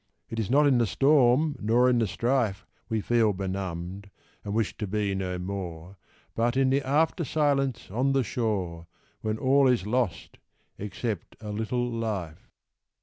It is not in the storm nor in the strife We feel benumbed, and wish to be no more, But in the after silence on the shore, When all is lost, except a little life.